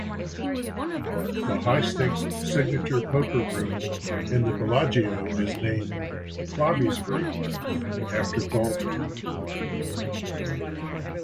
The high-stakes signature poker room in the Bellagio is named "Bobby's Room" after Baldwin.